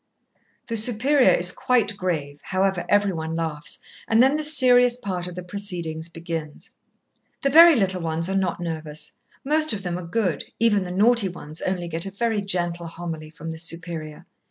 The Superior is quite grave, however, every one laughs, and then the serious part of the proceedings begins. The very little ones are not nervous. Most of them are good, even the naughty ones only get a very gentle homily from the Superior.